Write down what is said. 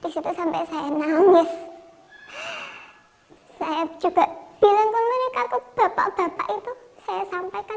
disitu sampai saya nangis saya juga bilang ke mereka ke bapak bapak itu saya sampaikan